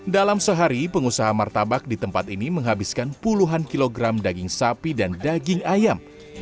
dalam sehari pengusaha martabak di tempat ini menghabiskan puluhan kilogram daging sapi dan daging ayam